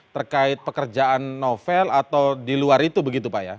terkait pekerjaan novel atau di luar itu begitu pak ya